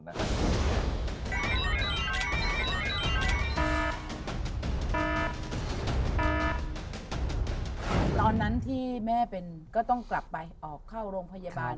ตอนนั้นที่แม่เป็นก็ต้องกลับไปออกเข้าโรงพยาบาล